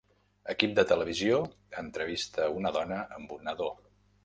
Equip de televisió entrevista una dona amb un nadó.